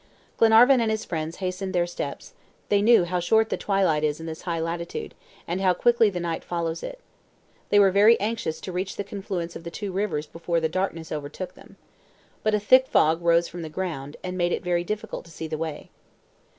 Glenarvan and his friends hastened their steps, they knew how short the twilight is in this high latitude, and how quickly the night follows it. They were very anxious to reach the confluence of the two rivers before the darkness overtook them. But a thick fog rose from the ground, and made it very difficult to see the way.